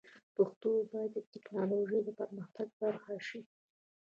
پښتو باید د ټکنالوژۍ د پرمختګ برخه شي.